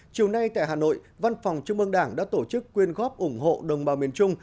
chiều nay tại hà nội văn phòng trung mương đảng đã tổ chức quyên góp ủng hộ đồng bào miền trung